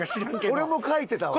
俺も書いてたわ。